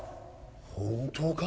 本当か？